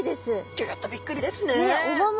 ギョギョッとびっくりですね。